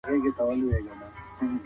هغه خپل هدف ته د رسېدو هڅه وکړه.